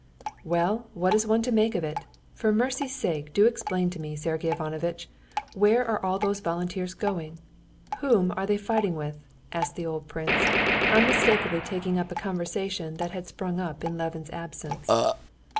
"Well, what is one to make of it? For mercy's sake, do explain to me, Sergey Ivanovitch, where are all those volunteers going, whom are they fighting with?" asked the old prince, unmistakably taking up a conversation that had sprung up in Levin's absence.